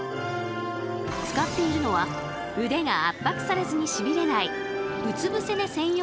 使っているのは腕が圧迫されずにしびれないうつぶせ寝専用の枕。